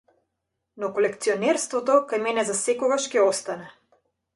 Но колекционерството кај мене засекогаш ќе остане.